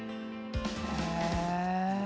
へえ。